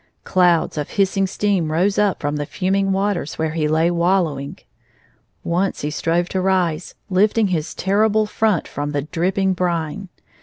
Clouds of hissing steam rose up from the ftiming waters where he lay wallowing. Once he strove to rise, lifting his terrible front from the dripping brine.